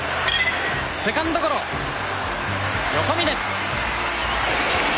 セカンドゴロ横峯。